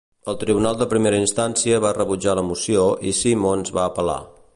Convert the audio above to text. El tribunal de primera instància va rebutjar la moció i Simmons va apel·lar.